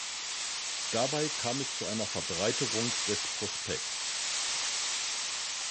Dabei kam es zu einer Verbreiterung des Prospekts.